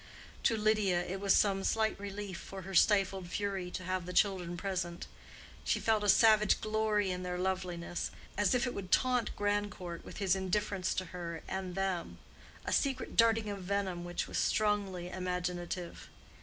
To Lydia it was some slight relief for her stifled fury to have the children present: she felt a savage glory in their loveliness, as if it would taunt Grandcourt with his indifference to her and them—a secret darting of venom which was strongly imaginative.